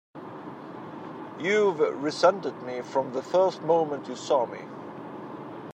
You've resented me from the first moment you saw me!